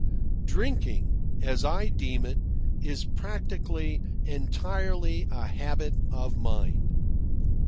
Drinking, as I deem it, is practically entirely a habit of mind.